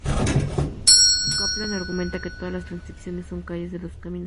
Caplan argumenta que todas las transacciones son calles de dos caminos.